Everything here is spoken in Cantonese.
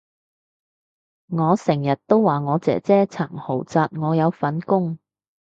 我成日都話我姐姐層豪宅我有份供